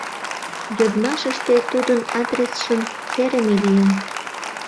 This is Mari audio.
Йодмашыште тудын адресшым серыме лийын.